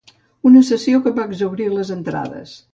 Una sessió que va exhaurir les entrades.